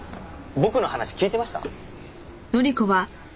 僕の話聞いてました？